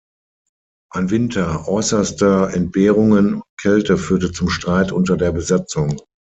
Ein Winter äußerster Entbehrungen und Kälte führte zum Streit unter der Besatzung.